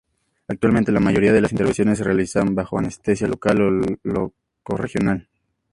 Actualmente la mayoría de las intervenciones se realizan bajo anestesia local o loco-regional.